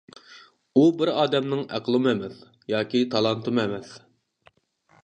ئۇ بىر ئادەمنىڭ ئەقلىمۇ ئەمەس، ياكى تالانتىمۇ ئەمەس.